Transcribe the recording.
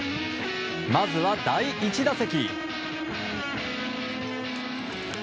まずは第１打席。